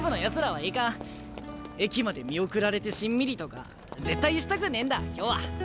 駅まで見送られてしんみりとか絶対したくねえんだ今日は。